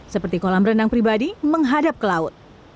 seperti kolam renang pribadi menghadap ke laut